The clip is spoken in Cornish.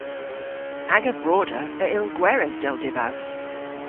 Aga broder a yll gweres, dell dybav.